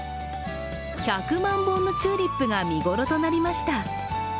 １００万本のチューリップが見頃となりました。